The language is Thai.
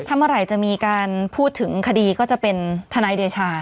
เมื่อไหร่จะมีการพูดถึงคดีก็จะเป็นทนายเดชา